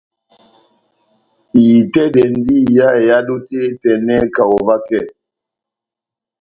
Itɛ́dɛndi iha ehádo tɛ́h etɛnɛ kaho vakɛ.